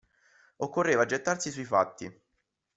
Occorreva gettarsi sui fatti.